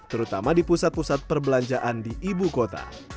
terutama di pusat pusat perbelanjaan di ibu kota